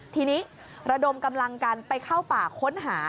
ทีนี้ระดมกำลังกันไปเข้าป่าค้นหา